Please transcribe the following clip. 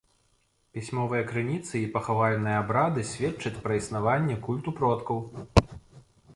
Пісьмовыя крыніцы і пахавальныя абрады сведчаць пра існаванне культу продкаў.